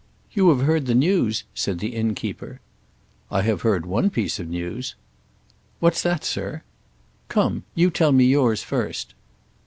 "You have heard the news?" said the innkeeper. "I have heard one piece of news." "What's that, sir?" "Come, you tell me yours first."